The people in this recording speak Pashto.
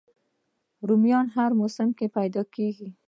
رومیان هر موسم کې پیدا کېږي